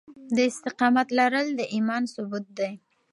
د استقامت لرل د ايمان ثبوت دی.